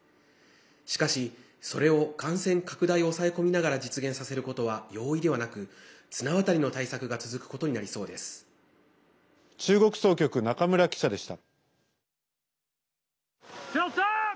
しかし、それを感染拡大を抑え込みながら実現させることは容易ではなく綱渡りの対策が中国総局、中村記者でした。